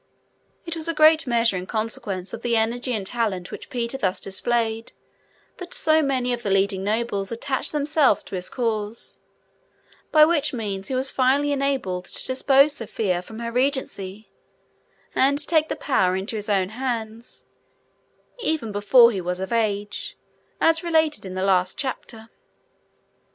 It was in a great measure in consequence of the energy and talent which Peter thus displayed that so many of the leading nobles attached themselves to his cause, by which means he was finally enabled to depose Sophia from her regency, and take the power into his own hands, even before he was of age, as related in the last chapter.